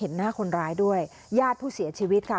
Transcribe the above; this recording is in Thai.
หน้าคนร้ายด้วยญาติผู้เสียชีวิตค่ะ